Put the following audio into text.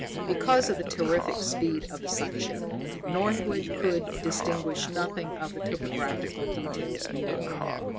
Because of the terrific speed of the sun ship, Northwood could distinguish nothing of the topographical details below.